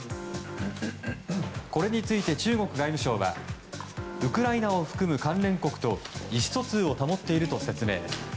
これについて中国外務省はウクライナを含む関連国と意思疎通を保っていると説明。